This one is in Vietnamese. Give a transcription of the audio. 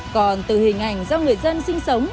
còn từ hình ảnh do người dân sinh sống